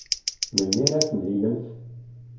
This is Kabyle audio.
Melmi ara temlilemt?